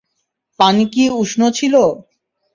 পানি কী উষ্ণ ছিল?